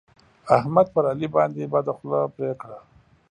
احمد پر علي باندې بده خوله پرې کړه.